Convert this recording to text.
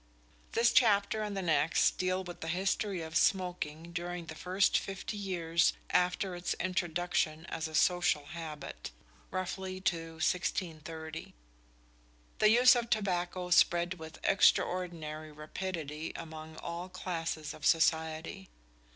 This chapter and the next deal with the history of smoking during the first fifty years after its introduction as a social habit roughly to 1630. The use of tobacco spread with extraordinary rapidity among all classes of society.